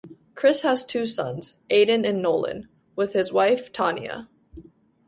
Chris has two sons, Aidan and Nolan, with his wife Tania.